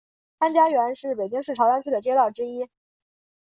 潘家园是北京市朝阳区的街道之一。